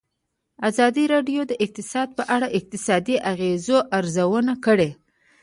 ازادي راډیو د اقتصاد په اړه د اقتصادي اغېزو ارزونه کړې.